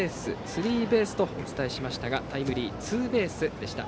スリーベースとお伝えしましたがタイムリーツーベースでした。